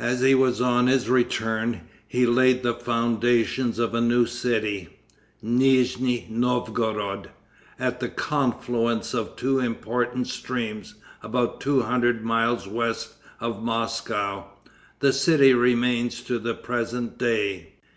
As he was on his return he laid the foundations of a new city, Nijni Novgorod, at the confluence of two important streams about two hundred miles west of Moscow. The city remains to the present day.